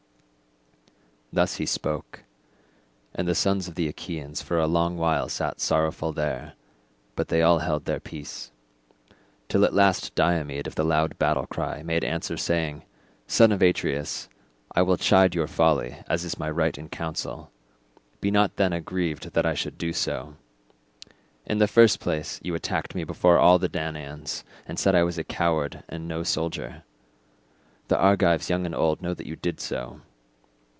Thus he spoke, and the sons of the Achaeans for a long while sat sorrowful there, but they all held their peace, till at last Diomed of the loud battle cry made answer saying, "Son of Atreus, I will chide your folly, as is my right in council. Be not then aggrieved that I should do so. In the first place you attacked me before all the Danaans and said that I was a coward and no soldier. The Argives young and old know that you did so.